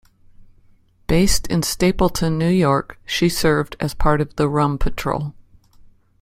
Based in Stapleton, New York, she served as part of the Rum Patrol.